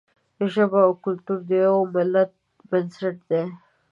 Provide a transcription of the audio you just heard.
ژبه او کلتور د یوه ملت بنسټ دی.